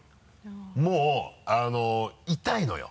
もう痛いのよ。